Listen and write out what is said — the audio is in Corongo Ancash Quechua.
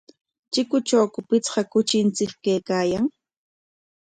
¿Chikuntrawku pichqa kuchinchik kaykaayan?